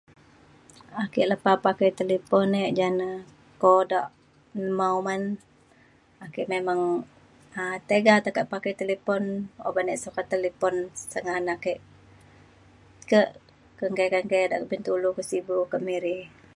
ake lepa pakai talipun ek jane kodak um oman ake memang um tega tekak pakai talipun oban ek sokat talipun senganak ek ke kengke kengke da' ke bintulu, ke sibu, ke miri.